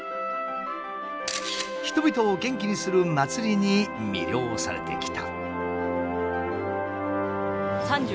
人々を元気にする祭りに魅了されてきた。